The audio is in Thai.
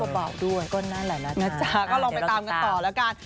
ก็ลองไปตามกันต่อละกัน